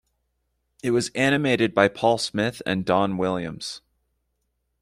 It was animated by Paul Smith and Don Williams.